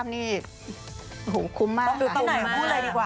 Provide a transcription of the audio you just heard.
มันตกปรับถูกปรับมันอย่างนี้ยก